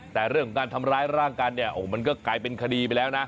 แต่เรื่องของการทำร้ายร่างกายเนี่ยโอ้โหมันก็กลายเป็นคดีไปแล้วนะ